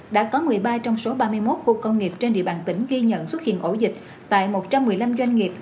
đã có một mươi ba trong số ba mươi một khu công nghiệp trên địa bàn tỉnh ghi nhận xuất hiện ổ dịch tại một trăm một mươi năm doanh nghiệp